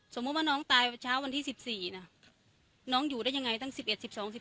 สมมุติว่าน้องตายเช้าวันที่สิบสี่นะน้องอยู่ได้ยังไงตั้งสิบเอ็ดสิบสองสิบ